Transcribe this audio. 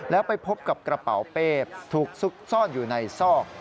แล้วไปพบกับกระเป๋าเป้ถูกซุกซ่อนอยู่ในซอก